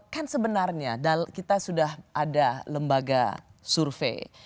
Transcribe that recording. kan sebenarnya kita sudah ada lembaga survei